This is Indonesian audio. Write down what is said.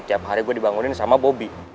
tiap hari gue dibangunin sama bobi